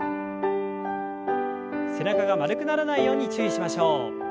背中が丸くならないように注意しましょう。